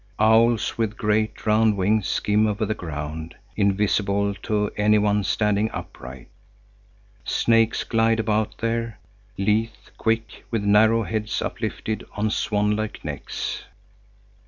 Owls with great, round wings skim over the ground, invisible to any one standing upright. Snakes glide about there, lithe, quick, with narrow heads uplifted on swanlike necks.